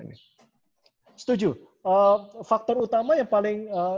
setuju faktor utama yang paling